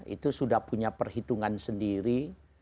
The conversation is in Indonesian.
itu sudah punya perhitungan sendiri